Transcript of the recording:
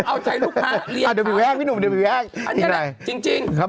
เขาชอบคุณเขาลาดมาด